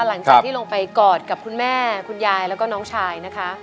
หลังจากที่ลงไปกอดกับคุณแม่คุณยายแล้วก็น้องชายนะคะ